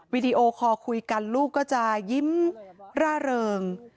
วิดีโอคอลคุยกันลูกก็จะยิ้มร่าเริง